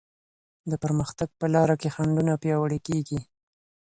د پرمختګ په لاره کي خنډونه پیاوړې کيږي.